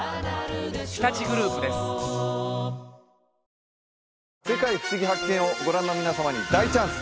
うわっすごい「世界ふしぎ発見！」をご覧の皆様に大チャンス